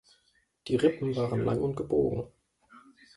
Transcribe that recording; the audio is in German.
Die Rippen waren lang und gebogen.